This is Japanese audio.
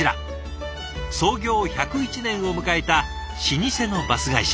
創業１０１年を迎えた老舗のバス会社。